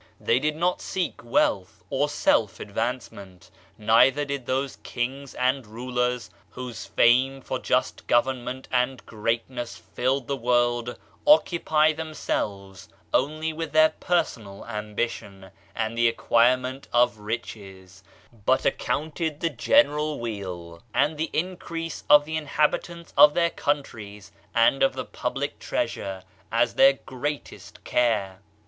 They did not seek wealth or self advancement, neither did those kings and rulers whose fame for just government and great ness filled the world occupy themselves only with their personal ambition and the acquirement of riches, but accounted the general weal and the in crease of the inhabitants of their countries and of the public treasure as their greatest care.